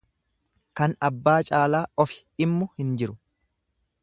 Kan abbaa caalaa ofi dhimmu hin jiru.